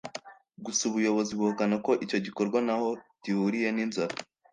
Gusa ubuyobozi buhakana ko icyo gikorwa ntaho gihuriye n’inzara